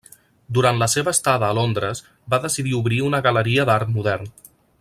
Durant la seva estada a Londres va decidir obrir una galeria d'art modern.